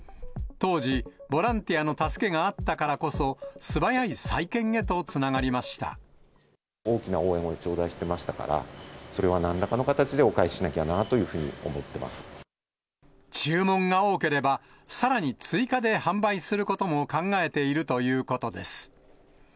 当時、ボランティアの助けがあったからこそ、大きな応援を頂戴してましたから、それはなんらかの形でお返ししなきゃなというふうに思って注文が多ければ、さらに追加で販売することも考えているということです。